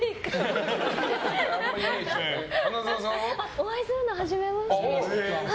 お会いするのは初めましてです。